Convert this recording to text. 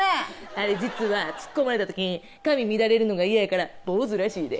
あれ実はツッコまれた時に髪乱れるのが嫌やから坊主らしいで。